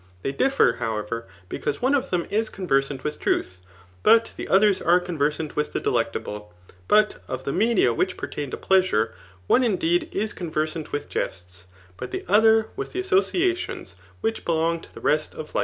Thi^y diflfer, however, because one of them is conversant with truth, but the others are conversant with the delectable* But of the media which pertain to pleasure, one indeed is conversant with jests, but the other with the associations which belong to the rest of life.